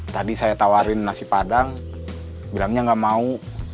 tadi saya tawarkan nasi padang dia bilang tidak mau